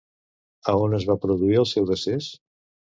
A on es va produir el seu decés?